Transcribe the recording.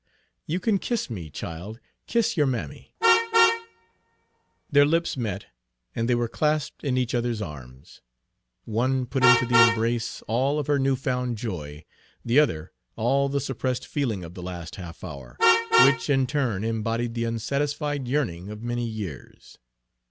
"You can kiss me, child, kiss your mammy." Their lips met, and they were clasped in each other's arms. One put into the embrace all of her new found joy, the other all the suppressed feeling of the last half hour, which in turn embodied the unsatisfied yearning of many years.